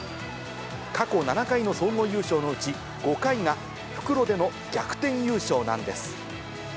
過去７回の総合優勝のうち、５回が復路での逆転優勝なんです。